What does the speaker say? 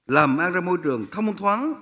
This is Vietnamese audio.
làm an ra môi trường thông thoáng